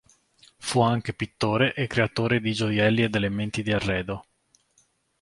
Fu anche pittore e creatore di gioielli ed elementi di arredo.